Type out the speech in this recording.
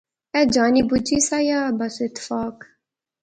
ایہہ جانی بجی سا یا بس اتفاق